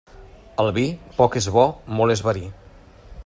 El vi, poc és bo, molt és verí.